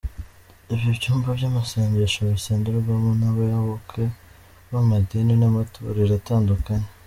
Ibi byumba by’amasengesho bisengerwamo n’abayoboke b’amadini n’amatorero atandukanye.